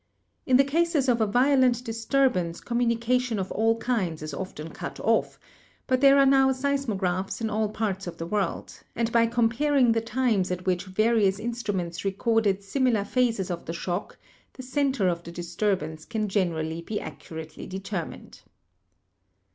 In the cases of a violent disturbance communication of GEOLOGY all kinds is often cut off, but there are now seismographs in all parts of the world, and by comparing the times at which various instruments recorded similar phases of the shock the center of the disturbance can generally be accurately determined.